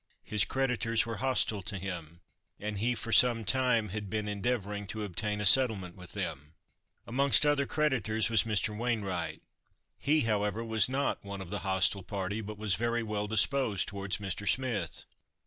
His creditors were hostile to him, and he for some time had been endeavouring to obtain a settlement with them. Amongst other creditors was Mr. Wainwright. He, however, was not one of the hostile party, but was very well disposed towards Mr. Smith.